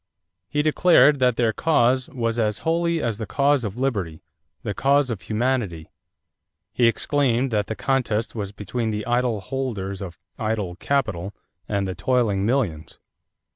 He declared that their cause "was as holy as the cause of liberty the cause of humanity." He exclaimed that the contest was between the idle holders of idle capital and the toiling millions.